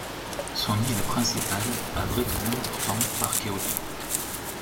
Son île principale abrite un important parc éolien.